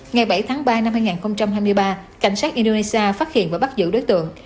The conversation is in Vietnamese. ngày bảy tháng ba năm hai nghìn hai mươi ba cảnh sát indonesia phát hiện và bắt giữ đối tượng